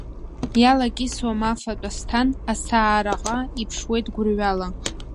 Иалакьысуам афатә асҭан, асаараҟа иԥшуеит гәырҩала.